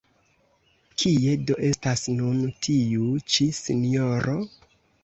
Kie do estas nun tiu ĉi sinjoro?